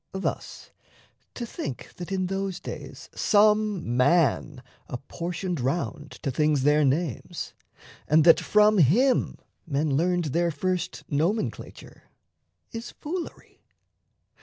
Thus, to think That in those days some man apportioned round To things their names, and that from him men learned Their first nomenclature, is foolery.